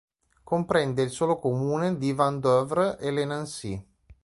Comprende il solo comune di Vandœuvre-lès-Nancy.